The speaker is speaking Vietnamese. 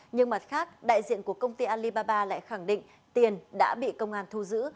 nhưng mặt khác đại diện của công ty alibaba lại khẳng định tiền đã bị công an thu giữ